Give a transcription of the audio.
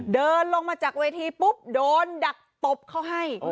เดินลงมาจากเวทีปุ๊บโดนดักตบเขาให้